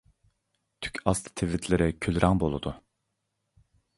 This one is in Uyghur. تۈك ئاستى تىۋىتلىرى كۈل رەڭ بولىدۇ.